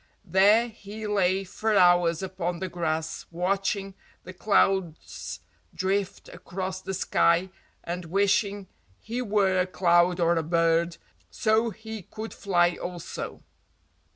There he lay for hours upon the grass watching the clouds drift across the sky and wishing he were a cloud or a bird, so he could fly also.